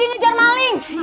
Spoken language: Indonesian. lagi ngejar maling